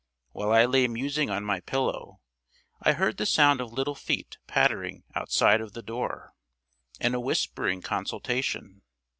While I lay musing on my pillow, I heard the sound of little feet pattering outside of the door, and a whispering consultation.